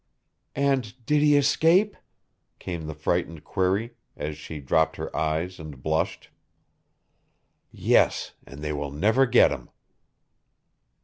"And did he escape?" came the frightened query, as she dropped her eyes and blushed. "Yes, and they will never get him."